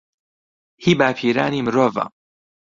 هی باپیرانی مرۆڤە